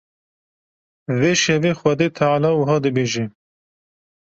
Vê şevê Xwedê Teala wiha dibêje: